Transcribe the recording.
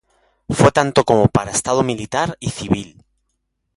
Fue tanto como para estado militar y civil.